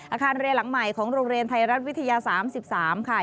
อาคารเรียนหลังใหม่ของโรงเรียนไทยรัฐวิทยา๓๓ค่ะ